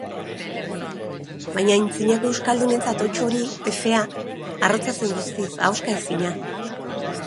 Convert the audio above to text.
Baina antzinako euskaldunentzat hots hori, efea, arrotza zen guztiz, ahoskaezina.